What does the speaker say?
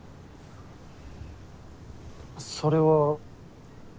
それは。